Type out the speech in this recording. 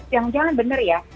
jangan jangan benar ya